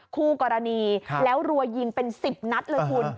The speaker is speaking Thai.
คู่กรณีแล้วรัวยิงเป็น๑๐นัดเลยคุณ